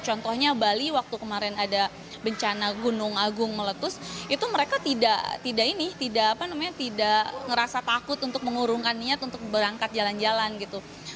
contohnya bali waktu kemarin ada bencana gunung agung meletus itu mereka tidak ngerasa takut untuk mengurungkan niat untuk berangkat jalan jalan gitu